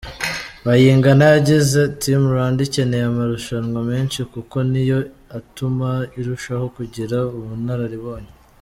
Bayingana yagize "Team Rwanda ikeneye amarushanwa menshi kuko ni yo atuma irushaho kugira ubunararibonye.